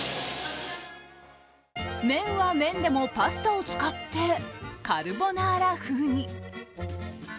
麺は麺でもパスタを使ってカルボナーラ風に。